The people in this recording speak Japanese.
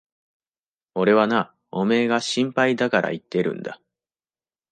俺はな、おめえが心配だから言ってるんだ。